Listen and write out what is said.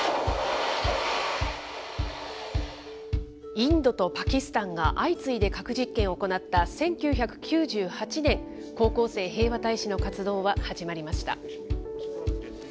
インドとパキスタンが相次いで核実験を行った１９９８年、高校生平和大使の活動は始まりました。